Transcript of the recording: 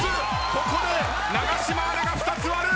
ここで永島アナが２つ割る！